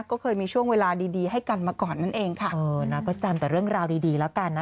ก็เคยมีช่วงเวลาดีดีให้กันมาก่อนนั่นเองค่ะเออนะก็จำแต่เรื่องราวดีดีแล้วกันนะ